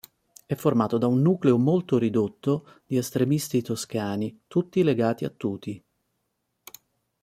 È formata da un nucleo molto ridotto di estremisti toscani, tutti legati a Tuti.